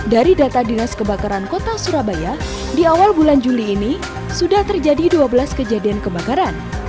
dari data dinas kebakaran kota surabaya di awal bulan juli ini sudah terjadi dua belas kejadian kebakaran